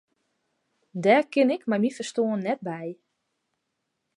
Dêr kin ik mei myn ferstân net by.